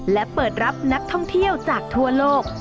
และเปิดรับนักท่องเที่ยวจากทั่วโลก